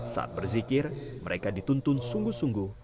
saat berzikir mereka dituntun sungguh sungguh